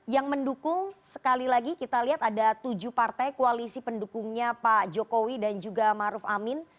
yang mendukung sekali lagi kita lihat ada tujuh partai koalisi pendukungnya pak jokowi dan juga maruf amin